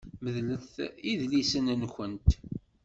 Medlemt idlisen-nkent!